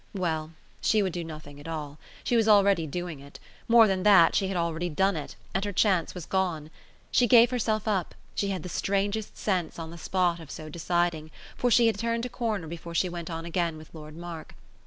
Well, she would do nothing at all; she was already doing it; more than that, she had already done it, and her chance was gone. She gave herself up she had the strangest sense, on the spot, of so deciding; for she had turned a corner before she went on again with Lord Mark.